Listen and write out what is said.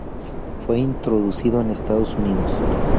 Fue introducido en Estados Unidos.